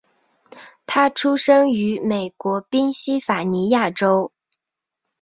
他出生于美国宾夕法尼亚州。